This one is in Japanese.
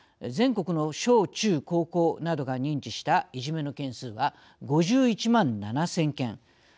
全国の小・中・高校などが認知したいじめの件数は５１万７，０００件。